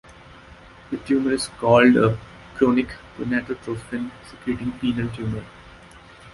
The tumor is called a "chorionic gonadotropin secreting pineal tumor".